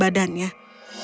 bayi itu menggigitnya